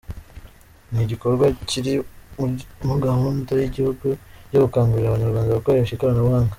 Ni igikorwa kiri mu gahunda y’igihugu yo gukangurira Abanyarwanda gukoresha ikoranabuhanga.